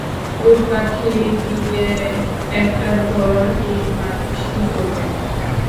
উটপাখি দিয়ে একটা ঘরহীন মানুষ কি করবে?